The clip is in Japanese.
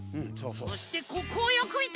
そしてここをよくみて！